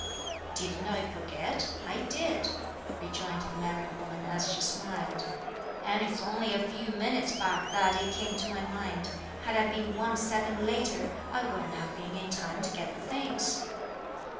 "Didn't I forget? I did," rejoined the married woman as she smiled; "and it's only a few minutes back that it came to my mind; had I been one second later I wouldn't have been in time to get the things."